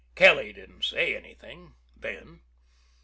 Kelly didn't say anything then.